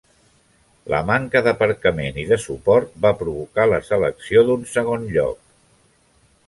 La manca d'aparcament i de suport va provocar la selecció d'un segon lloc.